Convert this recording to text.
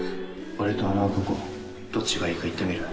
俺とあの男どっちがいいか言ってみろよ。